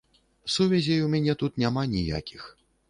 Сувязей у мяне тут няма ніякіх.